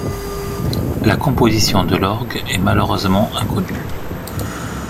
La composition de l’orgue est malheureusement inconnue.